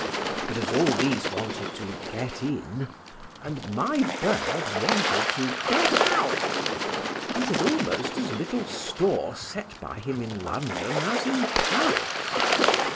But as all these wanted to get in, and my bird wanted to get out, he had almost as little store set by him in London as in Paris.